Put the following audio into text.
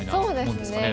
そうですね。